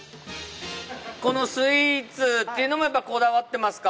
このスイーツっていうのもやっぱりこだわってますか？